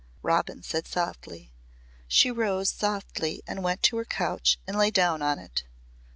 Robin said softly. She rose softly and went to her couch and lay down on it.